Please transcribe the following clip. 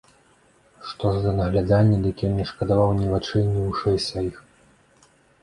Што ж да наглядання, дык ён не шкадаваў ні вачэй, ні вушэй сваіх.